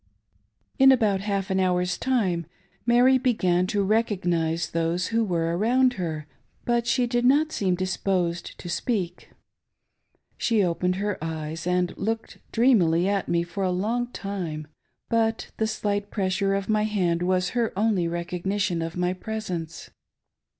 In about half an hour's time, Mary began to recognise those who were around her, but she did not seem disposed to speak. She opened her eyes and looked dreamily at me for a long time, but the slight pressure of my hand was her only recog nition of my presence.